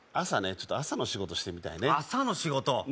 朝ねちょっと朝の仕事してみたいね朝の仕事？